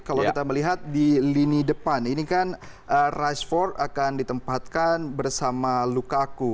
kalau kita melihat di lini depan ini kan rashford akan ditempatkan bersama lukaku